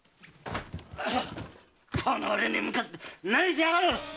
〔この俺に向かって何しやがる！〕